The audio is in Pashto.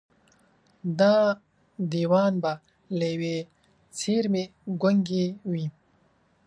دا دېوان به له ېوې څېرمې ګونګي وي